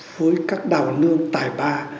chặt chẽ với các đào nương tài ba